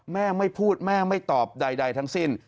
แม่ไม่พูดแม่ไม่ตอบใดทั้งสิ้น